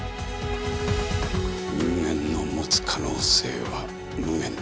人間の持つ可能性は無限大だ。